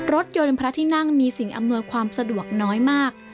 รถยนต์พระที่นั่งมีสิ่งอำนวยความสะดวกน้อยมาก